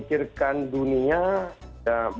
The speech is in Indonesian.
jalan jalan di ganteng